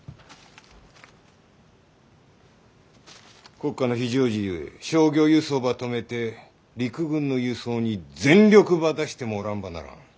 国家の非常時ゆえ商業輸送ば止めて陸軍の輸送に全力ば出してもらわんばならん。